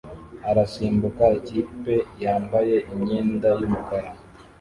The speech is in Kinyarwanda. arasimbuka ikipe yambaye imyenda yumukara